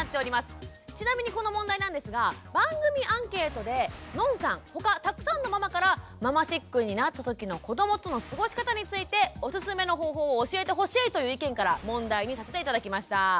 ちなみにこの問題なんですが番組アンケートでのんさん他たくさんのママからママシックになった時の子どもとの過ごし方についておすすめの方法を教えてほしいという意見から問題にさせて頂きました。